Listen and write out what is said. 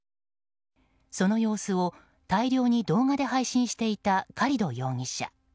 その様子を大量に動画で配信していたカリド容疑者。